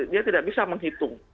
dia tidak bisa menghitung